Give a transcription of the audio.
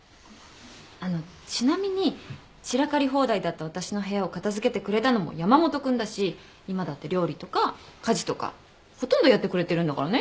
あのちなみに散らかり放題だった私の部屋を片付けてくれたのも山本君だし今だって料理とか家事とかほとんどやってくれてるんだからね。